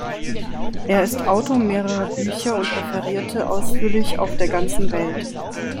Er ist Autor mehrerer Bücher und referierte ausführlich auf der ganzen Welt.